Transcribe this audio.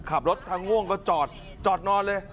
ขับรถถ้าง่วงก็จอดจอดนอนเลย